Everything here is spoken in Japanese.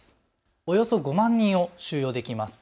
およそ５万人を収容できます。